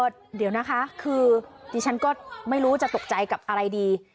เดี๋ยวนะคะคือดิฉันก็ไม่รู้จะตกใจกับอะไรดี